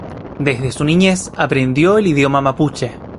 Desde su niñez aprendió el idioma mapuche.